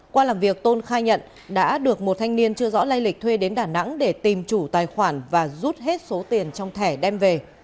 qua làm việc tôn khai nhận đã được một thanh niên chưa rõ lây lịch thuê đến đà nẵng để tìm chủ tài khoản và rút hết số tiền trong thẻ đem về